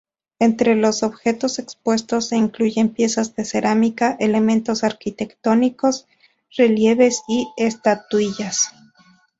Entre los objetos expuestos se incluyen piezas de cerámica, elementos arquitectónicos, relieves y estatuillas.